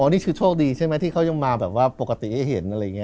อ้อนี่ชิบโชคดีใช่มั้ยที่เขายังมาปกติเห็นอะไรงี้